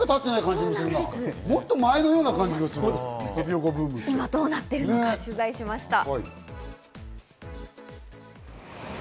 もっと前のような感じがする、今どうなっているのか取材しました。